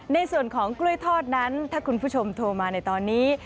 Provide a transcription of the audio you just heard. ในส่วนของกล้วยทอดนั้นถ้าคุณผู้ชมโทรมาในตอนนี้